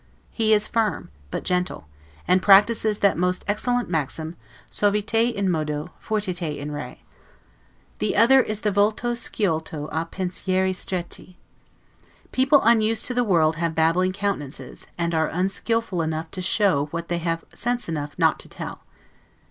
He is firm, but gentle; and practices that most excellent maxim, 'suaviter in modo, fortiter in re'. The other is the 'volto sciolto a pensieri stretti'. People unused to the world have babbling countenances; and are unskillful enough to show what they have sense enough not to tell.